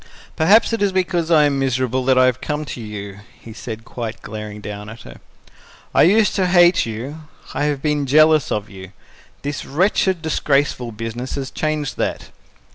"Perhaps it is because I am miserable that I have come to you," he said, quite glaring down at her. "I used to hate you; I have been jealous of you. This wretched, disgraceful business has changed that.